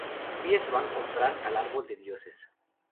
Ellas se van con Bran al árbol de Dioses.